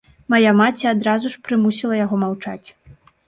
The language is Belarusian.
Мая маці адразу ж прымусіла яго маўчаць.